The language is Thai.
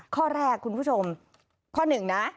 ข้อแรกคุณผู้ชมข้อหนึ่งนะ